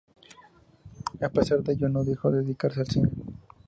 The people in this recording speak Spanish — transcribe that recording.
A pesar de ello no dejó de dedicarse al cine.